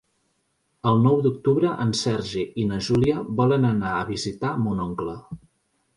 El nou d'octubre en Sergi i na Júlia volen anar a visitar mon oncle.